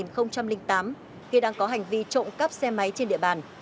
khi đang có hành vi trộm cắp xe máy trên địa bàn